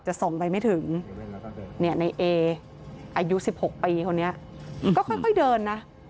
ส่องไปไม่ถึงในเออายุ๑๖ปีคนนี้ก็ค่อยเดินนะ